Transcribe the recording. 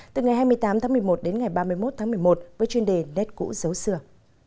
từ ngày hai mươi tám tháng một mươi một đến ngày ba mươi một tháng một mươi một với chuyên đề nét cũ dấu xưa